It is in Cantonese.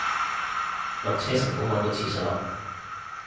落車成功搵到廁所